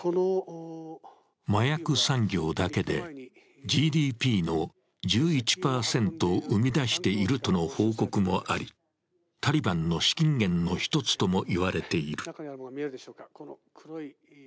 麻薬産業だけでＧＤＰの１１％を生み出しているとの報告もあり、タリバンの資金源の一つとも言われている。